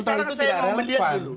tapi sekarang saya mau melihat dulu